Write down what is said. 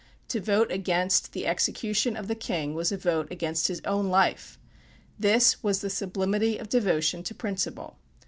To vote against the execution of the king was a vote against his own life. This was the sublimity of devotion to principle.